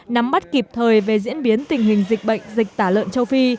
nắm bắt kịp thời về diễn biến tình hình dịch bệnh dịch tả lợn châu phi